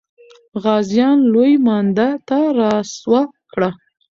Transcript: غازیان لوی مانده ته را سوه کړه.